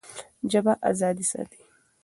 ژبه ازادي ساتي.